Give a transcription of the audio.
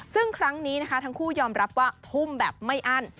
ซึ่งครั้งนี้นะคะทั้งคู่ยอมรับว่าทุ่มแบบไม่อั้น